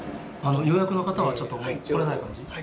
予約の方はちょっと来れない感じ？